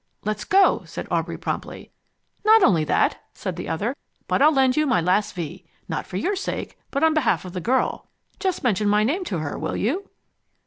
"Let's go," said Aubrey promptly. "Not only that," said the other, "but I'll lend you my last V. Not for your sake, but on behalf of the girl. Just mention my name to her, will you?